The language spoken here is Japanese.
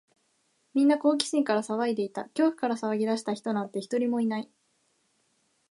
みんな好奇心から騒いでいた。恐怖から騒ぎ出した人なんて、一人もいない。